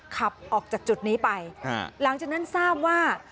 ขับออกจากจุดนี้ไปหลังจากนั้นทราบว่า